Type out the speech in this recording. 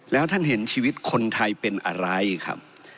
แล้วท่านเห็นชีวิตคนไทยเป็นอะไรครับ